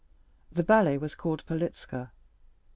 The ballet was called Poliska.